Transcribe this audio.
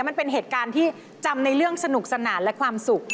มันเป็นเหตุการณ์ที่จำในเรื่องสนุกสนานและความสุข